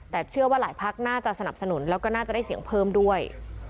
แต่เชื่อว่าหลายพักน่าจะสนับสนุนแล้วก็น่าจะได้เสียงเพิ่มด้วย